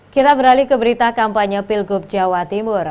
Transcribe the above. kita beralih ke berita kampanye pilgub jawa timur